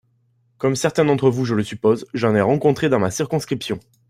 Comme certains d’entre vous je le suppose, j’en ai rencontré dans ma circonscription.